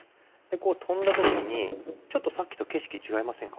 こうトンだ時にちょっとさっきと景色違いませんか？